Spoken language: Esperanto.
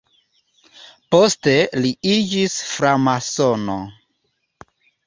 Poste li iĝis framasono.